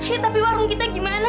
eh tapi warung kita gimana